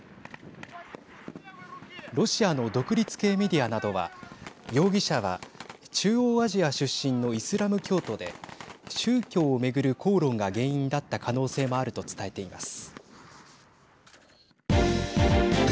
ロシアの独立系メディアなどは容疑者は中央アジア出身のイスラム教徒で宗教を巡る口論が原因だった可能性もあると伝えています。